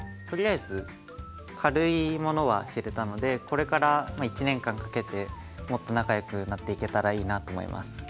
とりあえず軽いものは知れたのでこれから１年間かけてもっと仲よくなっていけたらいいなと思います。